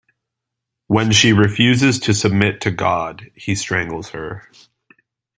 When she refuses to submit to God, he strangles her.